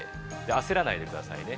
焦らないでくださいね。